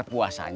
eh lu item